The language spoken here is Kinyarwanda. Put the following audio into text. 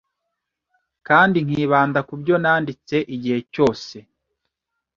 kandi nkibanda kubyo nanditse igihe cyose